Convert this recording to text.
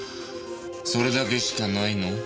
それだけしかないの？